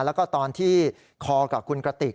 แล้วก็ตอนที่คอกับคุณกระติก